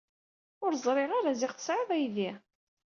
Ur ẓriɣ ara ziɣ tesɛid aydi.